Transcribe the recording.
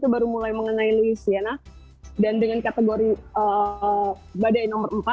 baru mulai mengenai louisiana dan dengan kategori badai nomor empat